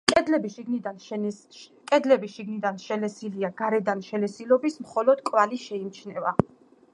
კედლები შიგნიდან შელესილია, გარედან შელესილობის მხოლოდ კვალი შეიმჩნევა.